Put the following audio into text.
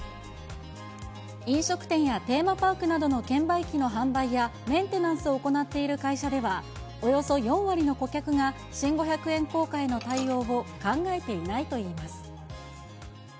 飲食店やテーマパークなどの券売機の販売や、メンテナンスを行っている会社では、およそ４割の顧客が、新五百円硬貨への対応を考えていないといいます。